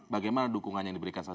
bagaimana dukungannya yang diberikan